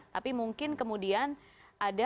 tapi mungkin kemudian ada